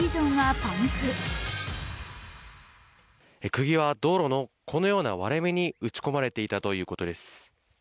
くぎは道路のこのような割れ目に打ち込まれていたということです。